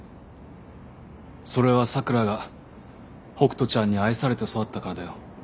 それは桜が北斗ちゃんに愛されて育ったからだよ。